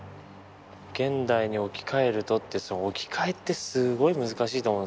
「現代に置き換えると」って置き換えってすごい難しいと思うんですけどね。